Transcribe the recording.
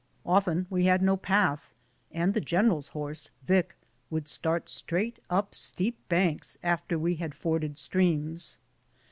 Often we had no path, and the general's horse, " Yic," would start straight up steep banks after we had forded streams.